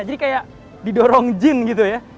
jadi kayak didorong jin gitu ya